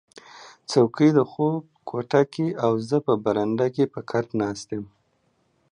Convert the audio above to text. څوکی د خوب کوټه کې او زه په برنډه کې په کټ ناست یم